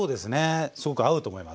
すごく合うと思います。